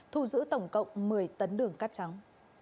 thu giữ tổng cộng một mươi tấn đường cát trắng